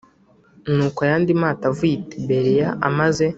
Nuko ayandi mato avuye i Tiberiya amaze